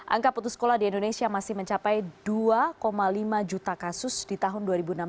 angka putus sekolah di indonesia masih mencapai dua lima juta kasus di tahun dua ribu enam belas